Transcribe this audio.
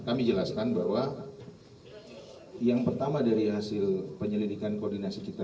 kami jelaskan bahwa yang pertama dari hasil penyelidikan koordinasi kita